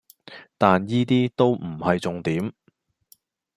但依啲都唔係重點